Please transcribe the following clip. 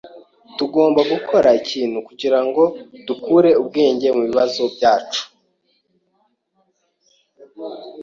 Tugomba gukora ikintu kugirango dukure ubwenge mu bibazo byacu.